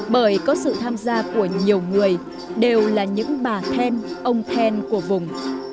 bởi có sự tham gia của nhiều người đều là những bà then ông then của vùng